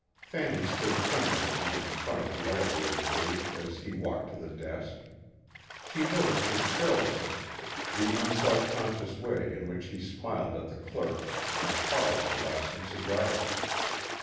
Fanny stood tremblingly in front of the elevator cage as he walked to the desk. She noticed his carelessness, the unselfconscious way in which he smiled at the clerk and paused to buy some cigars.